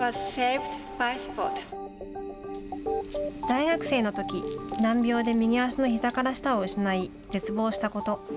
大学生のとき難病で右足のひざから下を失い絶望したこと。